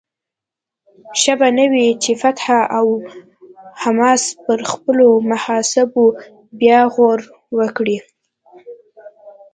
ښه به نه وي چې فتح او حماس پر خپلو محاسبو بیا غور وکړي؟